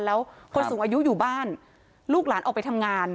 แล้วคนสูงอายุอยู่บ้านลูกหลานออกไปทำงาน